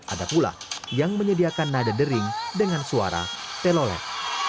ada pula yang menyediakan nada dering dengan suara telolet